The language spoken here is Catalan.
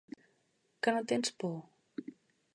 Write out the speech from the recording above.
Que no tens por?